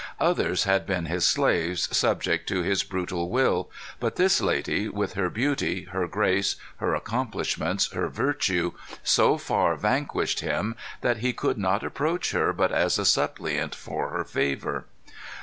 Others had been his slaves, subject to his brutal will. But this lady, with her beauty, her grace, her accomplishments, her virtue, so far vanquished him, that he could not approach her but as a suppliant for her favor.